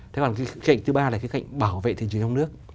thế còn cái cạnh thứ ba là cái cạnh bảo vệ thị trường trong nước